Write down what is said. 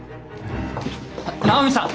直美さん！